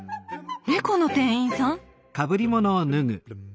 猫の店員さん